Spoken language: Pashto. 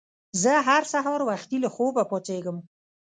زه هر سهار وختي له خوبه پاڅیږم.